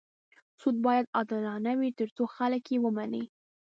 سود باید عادلانه وي تر څو خلک یې ومني.